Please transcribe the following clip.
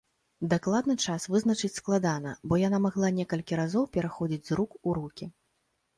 Дакладны час вызначыць складана, бо яна магла некалькі разоў пераходзіць з рук у рукі.